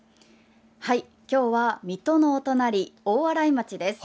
今日は水戸のお隣大洗町です。